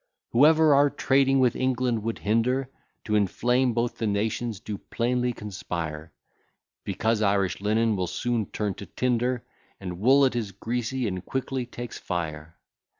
Whoever our trading with England would hinder, To inflame both the nations do plainly conspire, Because Irish linen will soon turn to tinder, And wool it is greasy, and quickly takes fire.